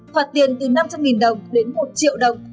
phạt tiền từ năm trăm linh đồng đến một triệu đồng